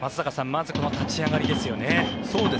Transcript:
まずこの立ち上がりですよね。